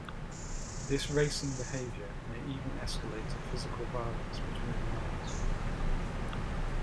This racing behavior may even escalate to physical violence between the males.